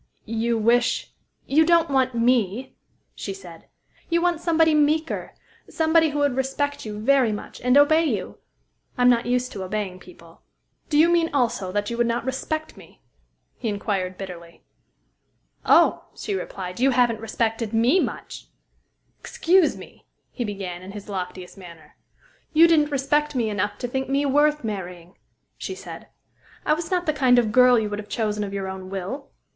"You wish" "You don't want me," she said. "You want somebody meeker, somebody who would respect you very much, and obey you. I'm not used to obeying people." "Do you mean also that you would not respect me?" he inquired bitterly. "Oh," she replied, "you haven't respected me much!" "Excuse me" he began, in his loftiest manner. "You didn't respect me enough to think me worth marrying," she said. "I was not the kind of girl you would have chosen of your own will."